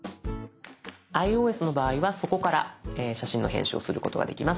ｉＯＳの場合はそこから写真の編集をすることができます。